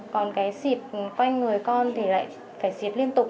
còn cái xịt quanh người con thì lại phải diệt liên tục